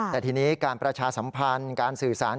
แต่ทีนี้การประชาสัมพันธ์การสื่อสาร